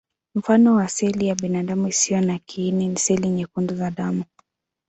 Mfano wa seli ya binadamu isiyo na kiini ni seli nyekundu za damu.